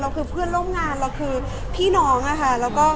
คือเพื่อนร่วมงานเราคือพี่น้องอะค่ะ